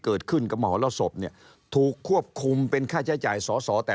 เกิดขึ้นกับมหรสบเนี่ยถูกควบคุมเป็นค่าใช้จ่ายสอสอแต่